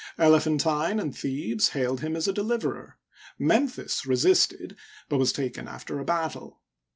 Elephantine and Thebes hailed him as a deliverer; Memphis resisted, but was taken after a battle.